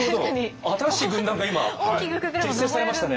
新しい軍団が今結成されましたね。